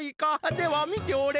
ではみておれ！